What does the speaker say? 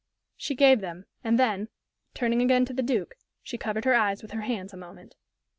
She gave them, and then, turning again to the Duke, she covered her eyes with her hands a moment.